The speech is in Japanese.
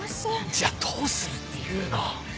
じゃあどうするっていうの？